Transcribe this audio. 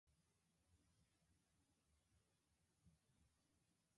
It has since been moved to live.